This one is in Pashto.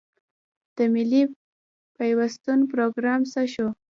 د ملي پیوستون پروګرام څه شو؟